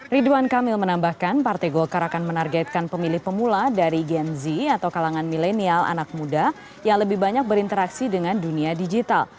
ridwan kamil menambahkan partai golkar akan menargetkan pemilih pemula dari gen z atau kalangan milenial anak muda yang lebih banyak berinteraksi dengan dunia digital